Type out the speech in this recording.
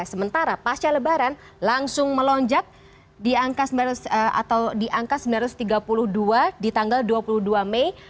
sementara pasca lebaran langsung melonjak di angka sembilan ratus tiga puluh dua di tanggal dua puluh dua mei